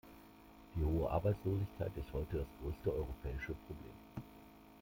Die hohe Arbeitslosigkeit ist heute das größte europäische Problem.